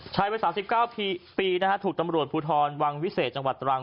ชายเวลา๓๙ปีถูกตำรวจภูทรวงวิเศษจังหวัดตรัง